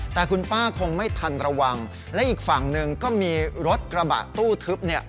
แต่คุณป้าคงไม่ทันระวังและอีกฝั่งหนึ่งก็มีรถกระบะตู้ทึบเนี่ย